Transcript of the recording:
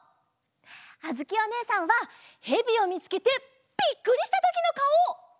あづきおねえさんはヘビをみつけてびっくりしたときのかお！